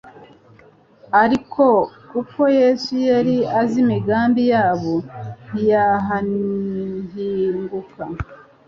Ariko kuko Yesu yari azi imigambi yabo, ntiyahahinguka.